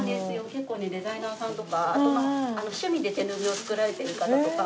結構ねデザイナーさんとかあと趣味で手ぬぐいを作られている方とか。